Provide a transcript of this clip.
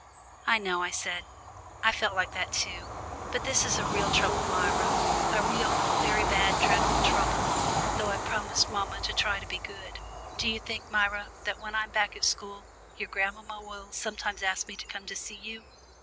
"I know," I said, "I've felt like that too. But this is a real trouble, Myra a real, very bad, dreadful trouble, though I've promised mamma to try to be good. Do you think, Myra, that when I'm back at school your grandmamma will sometimes ask me to come to see you?"